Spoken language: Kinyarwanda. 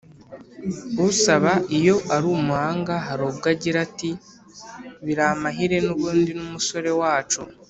usaba iyo ari umuhanga hari ubwo agira ati: “biri amahire n’ubundi n’umusore wacu